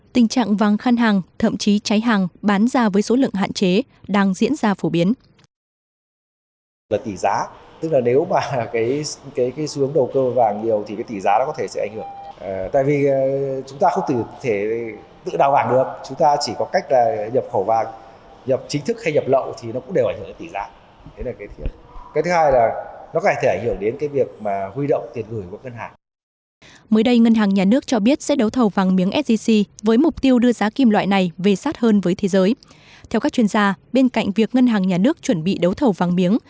tình trạng vàng khăn hàng thậm chí cháy hàng bán ra với số lượng hạn chế đang diễn ra phổ biến